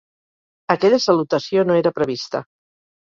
Aquella salutació no era prevista.